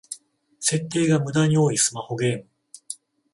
設定がムダに多いスマホゲーム